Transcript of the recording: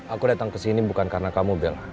aku datang ke sini bukan karena kamu bela